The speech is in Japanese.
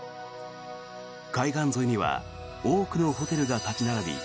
海岸沿いには多くのホテルが立ち並び